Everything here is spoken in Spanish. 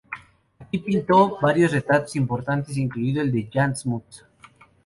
Aquí pintó varios retratos importantes, incluido el de Jan Smuts.